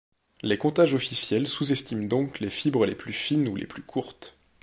Les comptages officiels sous-estiment donc les fibres les plus fines ou les plus courtes.